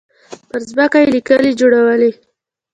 پر ځمکه يې ليکې جوړولې.